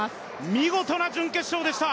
見事な準決勝でした。